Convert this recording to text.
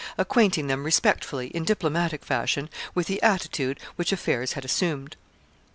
acquainting them respectfully, in diplomatic fashion, with the attitude which affairs had assumed.